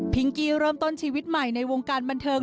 กี้เริ่มต้นชีวิตใหม่ในวงการบันเทิง